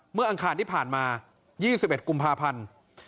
อังคารที่ผ่านมา๒๑กุมภาพันธ์